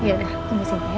ya udah tunggu disini ya